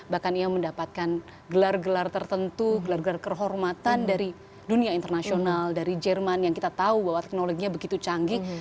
bahkan ia mendapatkan gelar gelar tertentu gelar gelar kehormatan dari dunia internasional dari jerman yang kita tahu bahwa teknologinya begitu canggih